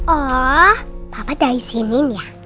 oh papa udah izinin ya